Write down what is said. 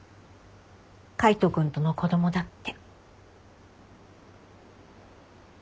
海斗君との子供だって。